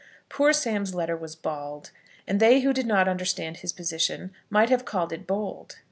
Poor Sam's letter was bald, and they who did not understand his position might have called it bold.